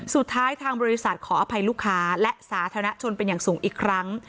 ทางบริษัทขออภัยลูกค้าและสาธารณชนเป็นอย่างสูงอีกครั้ง